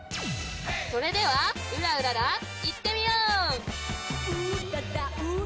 それではうらウララいってみよう！